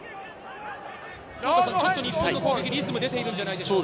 日本の攻撃、リズム出ているんじゃないですか。